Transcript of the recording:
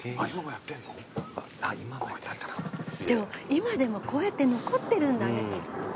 今でもこうやって残ってるんだね。